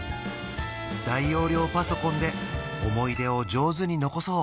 大容量パソコンで思い出を上手に残そう